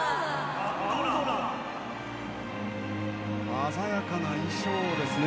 鮮やかな衣装ですね。